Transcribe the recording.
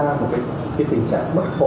một cái tình trạng bất khổ